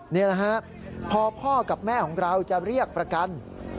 นี่แหละฮะพอพ่อกับแม่ของเราจะเรียกประกัน